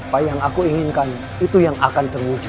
apa yang aku inginkan itu yang akan terwujud